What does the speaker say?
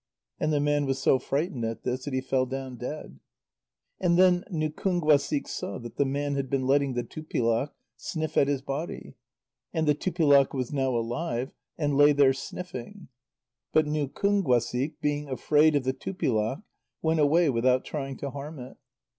And the man was so frightened at this that he fell down dead. And then Nukúnguasik saw that the man had been letting the Tupilak sniff at his body. And the Tupilak was now alive, and lay there sniffing. But Nukúnguasik, being afraid of the Tupilak, went away without trying to harm it.